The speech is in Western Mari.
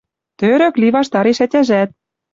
Тӧрӧк ли ваштареш ӓтяжӓт: